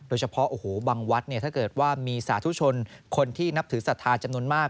โดยเฉพาะโอ้โหบางวัดถ้าเกิดว่ามีสาธุชนคนที่นับถือศรัทธาจำนวนมาก